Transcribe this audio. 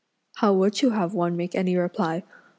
"How would you have one make any reply?"